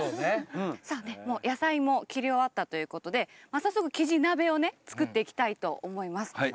さあねもう野菜も切り終わったということで早速キジ鍋をね作っていきたいと思います。